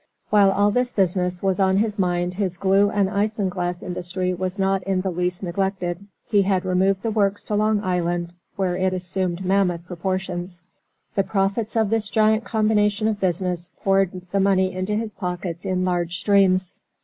While all this business was on his mind his glue and isinglass industry was not in the least neglected. He had removed the works to Long Island, where it assumed mammoth proportions. The profits of this giant combination of business poured the money into his pockets in large streams.